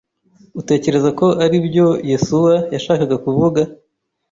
Utekereza ko aribyo Yesuwa yashakaga kuvuga?